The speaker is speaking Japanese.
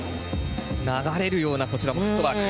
流れるようなこちらフットワーク。